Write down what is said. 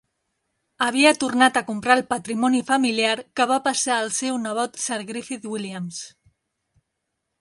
Havia tornat a comprar el patrimoni familiar, que va passar al seu nebot Sir Griffith Williams.